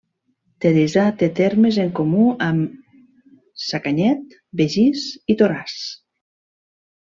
Teresa té termes en comú amb Sacanyet, Begís i Toràs.